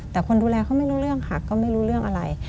แต่คนดูแลเขาไม่รู้เรื่องค่ะก็ไม่รู้เรื่องอะไร